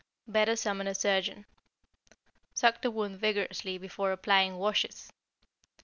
Better summon a surgeon. Suck the wound vigorously before applying washes.